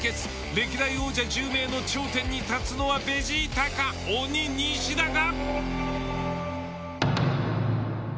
歴代王者１０名の頂点に立つのはベジータか鬼西田か。